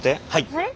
はい。